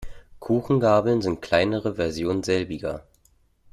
Kuchengabeln sind kleinere Versionen selbiger.